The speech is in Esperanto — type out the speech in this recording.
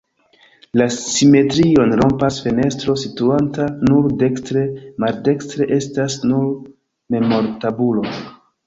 La simetrion rompas fenestro situanta nur dekstre, maldekstre estas nur memortabulo.